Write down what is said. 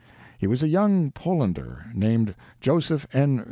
He was a young Polander, named Joseph N.